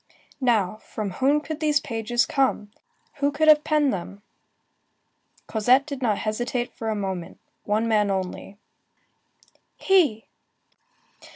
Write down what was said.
Now, from whom could these pages come? Who could have penned them? Cosette did not hesitate a moment. One man only. He!